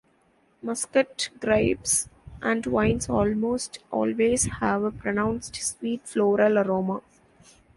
Muscat grapes and wines almost always have a pronounced sweet floral aroma.